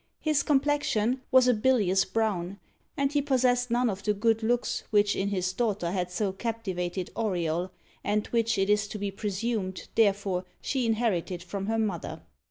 His complexion was a bilious brown, and he possessed none of the good looks which in his daughter had so captivated Auriol, and which it is to be presumed, therefore, she inherited from her mother.